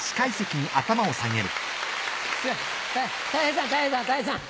ねぇたい平さんたい平さんたい平さん！